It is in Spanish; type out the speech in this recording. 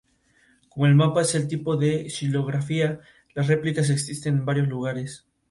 Los vientos suelen levantar fuertes tormentas en este lago.